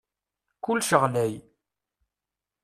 Kullec ɣlay.